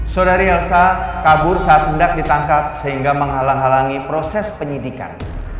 saudari elsa kabur saat hendak ditangkap sehingga menghalang halangi proses penyidikan